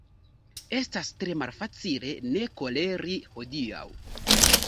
Estas tre malfacile ne koleri hodiaŭ.